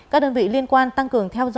các đơn vị liên quan tăng cường theo dõi